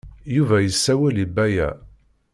Yuba yessawel i Baya.